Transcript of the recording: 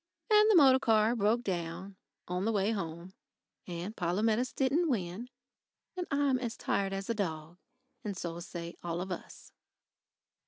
And the motor car broke down on the way home. And Polumetis didn't win. And I'm as tired as a dog.... And so say all of us.